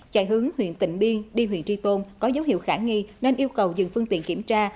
chạy hướng huyện tịnh biên đi huyện tri tôn có dấu hiệu khả nghi nên yêu cầu dừng phương tiện kiểm tra